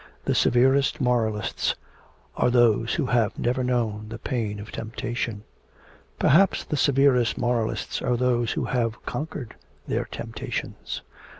The severest moralists are those who have never known the pain of temptation.' 'Perhaps the severest moralists are those who have conquered their temptations.'